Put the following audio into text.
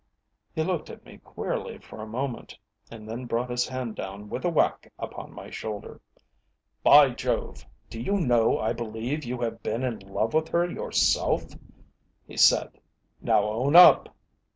He looked at me queerly for a moment, and then brought his hand down with a whack upon my shoulder. "By Jove! Do you know, I believe you have been in love with her yourself," he said. "Now own up!"